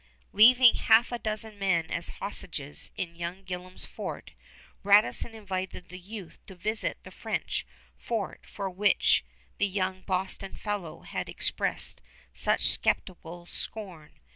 Leaving half a dozen men as hostages in young Gillam's fort, Radisson invited the youth to visit the French fort for which the young Boston fellow had expressed such skeptical scorn.